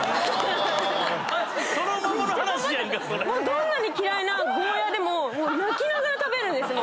どんなに嫌いなゴーヤでも泣きながら食べるんです。